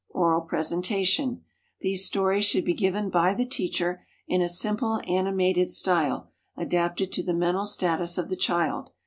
Oral presentation. These stories should be given by the teacher in a simple, animated style, adapted to the mental status of the child.